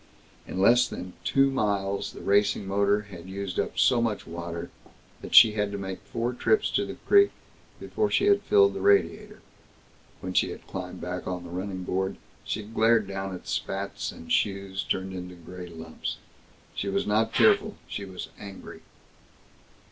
In less than two miles the racing motor had used up so much water that she had to make four trips to the creek before she had filled the radiator. When she had climbed back on the running board she glared down at spats and shoes turned into gray lumps. She was not tearful. She was angry.